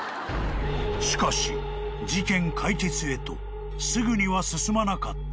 ［しかし事件解決へとすぐには進まなかった］